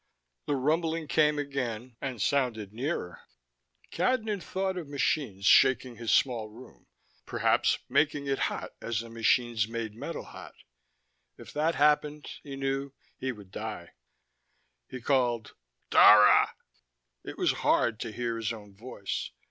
The rumbling came again, and sounded nearer. Cadnan thought of machines shaking his small room, perhaps making it hot as the machines made metal hot. If that happened, he knew, he would die. He called: "Dara." It was hard to hear his own voice.